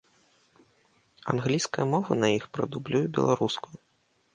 Англійская мова на іх прадублюе беларускую.